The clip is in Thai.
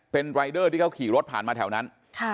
เป็นรายเดอร์ที่เขาขี่รถผ่านมาแถวนั้น